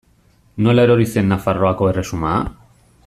Nola erori zen Nafarroako erresuma?